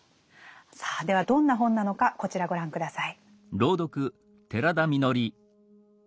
さあではどんな本なのかこちらご覧下さい。